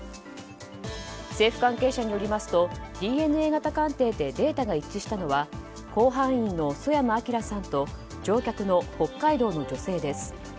政府関係者によりますとＤＮＡ鑑定でデータが一致したのは甲板員の曽山聖さんと乗客の北海道の女性です。